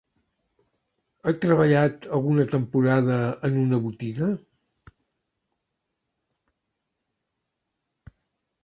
Ha treballat alguna temporada en una botiga?